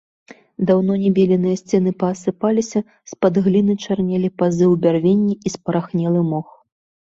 Даўно не беленыя сцены паасыпаліся, з-пад гліны чарнелі пазы ў бярвенні і спарахнелы мох.